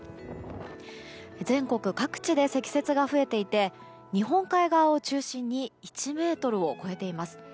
全国各地で積雪が増えていて日本海側を中心に１ｍを超えています。